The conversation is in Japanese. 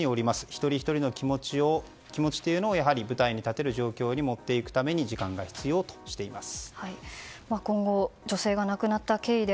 一人ひとりの気持ちというのを舞台に立てる状況に持っていくために時間が必要としています。